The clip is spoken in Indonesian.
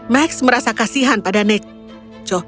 max merasa kasihan pada neco